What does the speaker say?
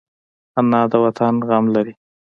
انا د وطن غم لري